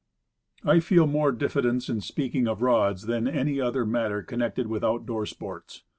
I feel more diffidence in speaking of rods than of any other matter connected with out door sports.